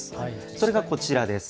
それがこちらです。